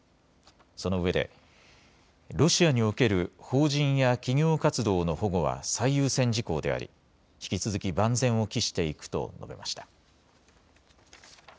そのうえでロシアにおける邦人や企業活動の保護は最優先事項であり引き続き万全を期していくと述べました。